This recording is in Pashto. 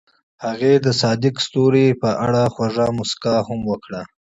هغې د صادق ستوري په اړه خوږه موسکا هم وکړه.